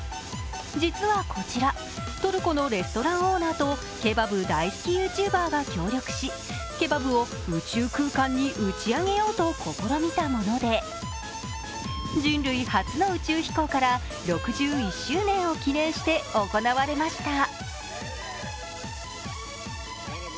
実はこちら、トルコのレストランオーナーとケバブ大好きＹｏｕＴｕｂｅｒが協力しケバブを宇宙空間に打ち上げようと試みたもので人類初の宇宙飛行から６１周年を記念して行われました。